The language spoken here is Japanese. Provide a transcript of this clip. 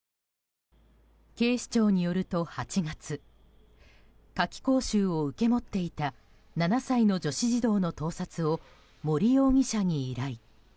警視庁によると８月夏期講習を受け持っていた７歳の女子児童の盗撮を森容疑者に依頼。